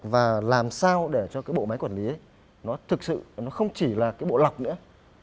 và làm sao để cho cái bộ máy quản lý nó thực sự nó không chỉ là cái bộ lọc nữa